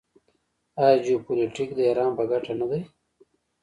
آیا جیوپولیټیک د ایران په ګټه نه دی؟